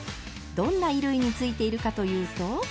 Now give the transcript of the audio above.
どんな衣類についているかというと。